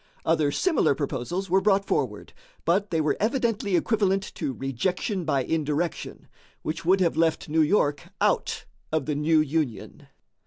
Other similar proposals were brought forward, but they were evidently equivalent to rejection by indirection, which would have left New York out of the new Union.